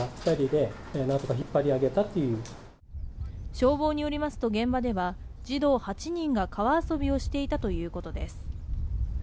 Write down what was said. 消防によりますと現場では、児童８人が川遊びをしていたということです。